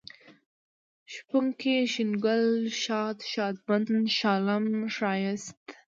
شپونکی ، شين گل ، ښاد ، ښادمن ، ښالم ، ښايسته